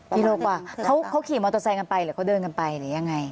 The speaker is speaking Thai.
กิโลกว่าเขาขี่มอเตอร์ไซค์กันไปหรือเขาเดินกันไปหรือยังไง